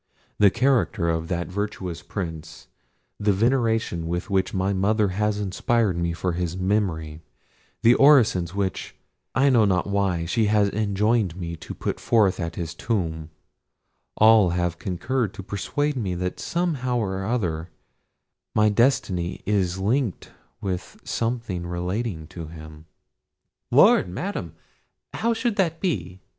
The character of that virtuous Prince, the veneration with which my mother has inspired me for his memory, the orisons which, I know not why, she has enjoined me to pour forth at his tomb, all have concurred to persuade me that somehow or other my destiny is linked with something relating to him." "Lord, Madam! how should that be?"